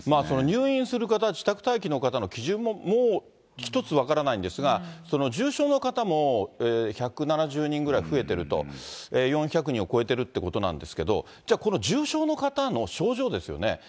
その入院する方、自宅待機する方の基準ももうひとつ分からないんですが、重症の方も１７０人ぐらい増えてると、４００人を超えてるということなんですけど、じゃ、この重症の方の症状ですよね。